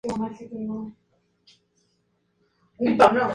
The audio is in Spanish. Posteriormente, Godoy fue reelecto junto con Amado de vicegobernador.